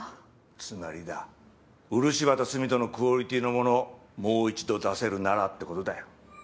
つまりだ漆畑澄人のクオリティーのものをもう一度出せるならって事だよ。